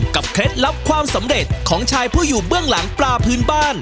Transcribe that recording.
เคล็ดลับความสำเร็จของชายผู้อยู่เบื้องหลังปลาพื้นบ้าน